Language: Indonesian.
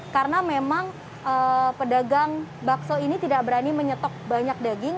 karena memang pedagang bakso ini tidak berani menyetok banyak daging